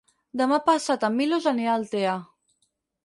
Demà passat en Milos anirà a Altea.